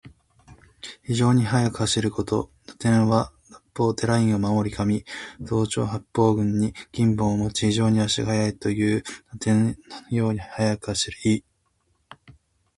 非常に速く走ること。「韋駄天」は仏法・寺院の守り神。増長天八将軍の一。金剛杵をもち、非常に足が速いという。韋駄天のように速く走る意。